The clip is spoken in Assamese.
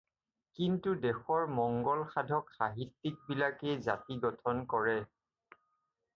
কিন্তু দেশৰ মঙ্গলসাধক সাহিত্যিকবিলাকেই জাতি গঠন কৰে